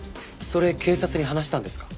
それ警察に話したんですか？